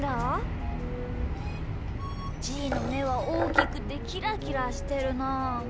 じーのめはおおきくてキラキラしてるなあ。